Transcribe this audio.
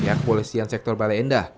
pihak polisian sektor bale endah